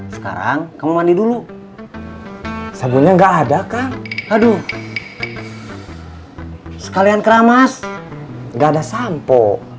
sekarang kamu mandi dulu sebetulnya enggak ada kan aduh sekalian keramas enggak ada sampo